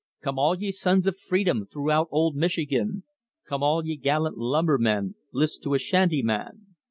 "Come all ye sons of freedom throughout old Michigan, Come all ye gallant lumbermen, list to a shanty man.